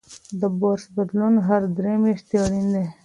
د برس بدلون هر درې میاشتې اړین دی.